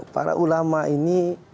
para ulama ini